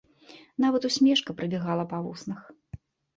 Нават усмешка прабягала па вуснах.